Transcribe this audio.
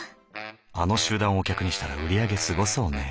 あの集団をお客にしたら売り上げすごそうねえ。